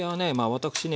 私ね